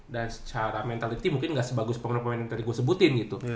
dan secara mentaliti mungkin gak sebagus pemain pemain yang tadi gue sebutin gitu